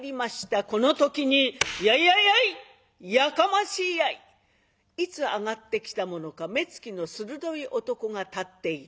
この時に「やいやいやい！やかましいやい！」。いつ上がってきたものか目つきの鋭い男が立っている。